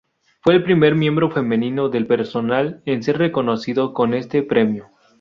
Fue el primer miembro femenino del personal en ser reconocido con este premio.